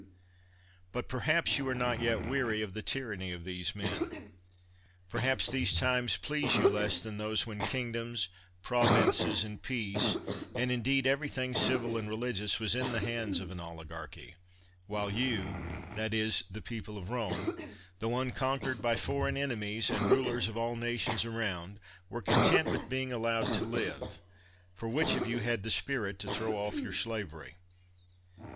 But perhaps you are not yet weary of the tyranny of these men ; perhaps these times please you less than those when kingdoms, provinces, l«ws, rights the administration of justice, war 40 CAIUS MEMMIUS and peace, and indeed everything civil and re ligiouSy was in the hands of an oligarchy; while you — tiiat is, the people of Rome — ^tho uncon qnered by foreign enemies, and rulers of all na tions around, were content with being allowed to live: for which of you had spirit to throw off your slavery?